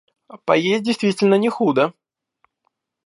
Поесть действительно не худо.